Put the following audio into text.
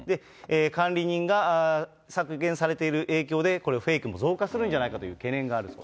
管理人が削減されている影響で、これ、フェイクも増加するんじゃないかというふうな懸念があるんです。